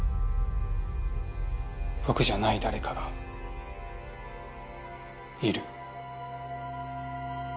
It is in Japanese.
僕じゃない誰かがいる。